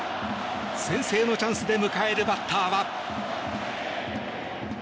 先制のチャンスで迎えるバッターは。